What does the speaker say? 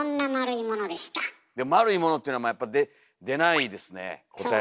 いや「丸いもの」っていうのはやっぱ出ないですねえ